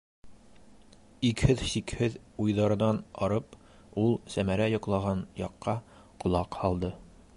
Икһеҙ-сикһеҙ уйҙарынан арып, ул Сәмәрә йоҡлаған яҡҡа ҡолаҡ һалды.